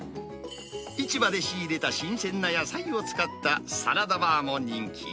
市場で仕入れた新鮮な野菜を使ったサラダバーも人気。